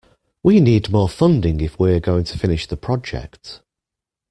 We need more funding if we're going to finish the project.